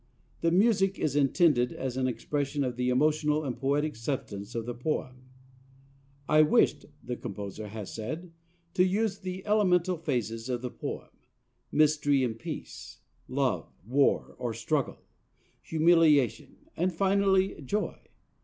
The music is intended as an expression of the emotional and poetic substance of the poem. "I wished," the composer has said, "to use the elemental phases of the poem: mystery and peace; love; war or struggle; humiliation; and finally joy.